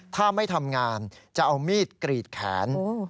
ถ้าไม่ทำงานจะเอามีดกรีดแขน